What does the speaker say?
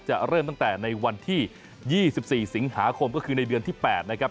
เริ่มตั้งแต่ในวันที่๒๔สิงหาคมก็คือในเดือนที่๘นะครับ